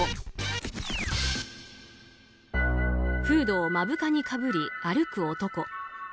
フードを目深にかぶり歩く男。